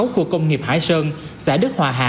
của công nghiệp hải sơn xã đức hòa hạ